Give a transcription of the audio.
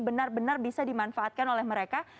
benar benar bisa dimanfaatkan oleh mereka